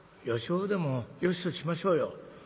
よしほうでもよしとしましょうよ。